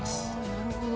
なるほど。